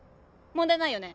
問題ないよね？